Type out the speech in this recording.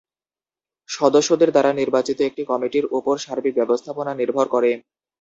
সদস্যদের দ্বারা নির্বাচিত একটি কমিটির ওপর সার্বিক ব্যবস্থাপনা নির্ভর করে।